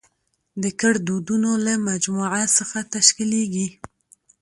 د ګړدودونو له مجموعه څخه تشکېليږي.